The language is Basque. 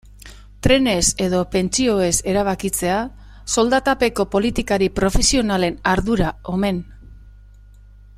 Trenez edo pentsioez erabakitzea soldatapeko politikari profesionalen ardura omen.